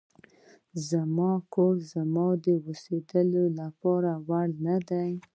زما کور زما د اوسېدلو وړ نه دی.